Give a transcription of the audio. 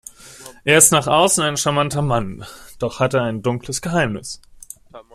Er ist nach außen ein charmanter Mann, doch hat er ein dunkles Geheimnis.